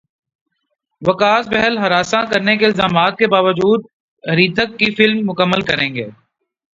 وکاس بہل ہراساں کرنے کے الزامات کے باوجود ہریتھک کی فلم مکمل کریں گے